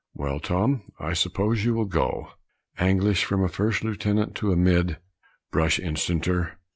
"Well, Tom, I suppose you will go." Anglice, from a first lieutenant to a mid "Brush instanter."